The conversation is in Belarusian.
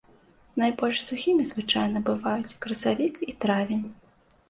Найбольш сухімі звычайна бываюць красавік і травень.